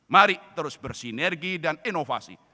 mari terus bersinergi dan inovasi